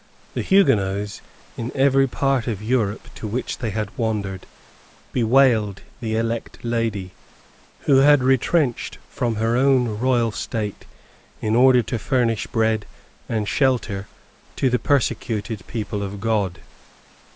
The Huguenots, in every part of Europe to which they had wandered, bewailed the Elect Lady, who had retrenched from her own royal state in order to furnish bread and shelter to the persecuted people of God.